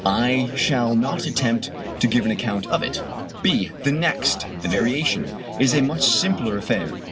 I shall not attempt to give an account of it. (b) The next, "the variation," is a much simpler affair.